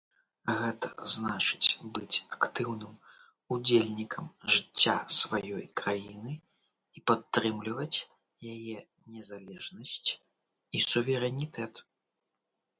Гэта значыць быць актыўным удзельнікам жыцця сваёй краіны і падтрымліваць яе незалежнасць і суверэнітэт.